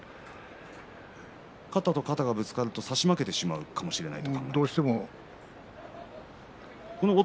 肩と肩がぶつかると差し負けてしまうかもしれないと。